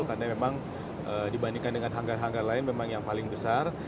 karena memang dibandingkan dengan hangar hangar lain memang yang paling besar